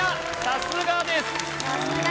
さすがです